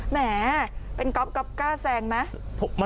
แหมเป็นก๊อฟกล้าแซงไหม